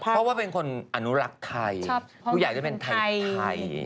เพราะว่าเป็นคนอนุลักษณ์ไทยชาติอยากเป็นใจไทย